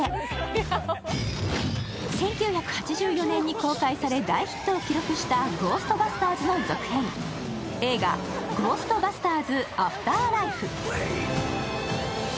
１９８４年に公開され、大ヒットを記録した「ゴーストバスターズ」の続編、映画「ゴーストバスターズアフターライフ」。